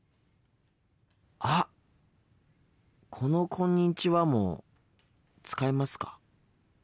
あっこの「こんにちは」も使いますか？